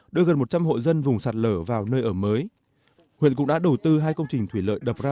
đưa gần một trăm linh hộ dân vùng sạt lở vào nơi ở mới huyện cũng đã đầu tư hai công trình thủy lợi đập ra